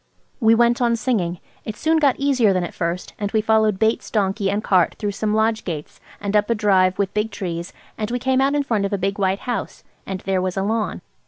We went on singing. It soon got easier than at first, and we followed Bates's donkey and cart through some lodge gates and up a drive with big trees, and we came out in front of a big white house, and there was a lawn.